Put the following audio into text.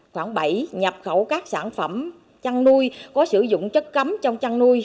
khoảng bảy nhập khẩu các sản phẩm chăn nuôi có sử dụng chất cấm trong chăn nuôi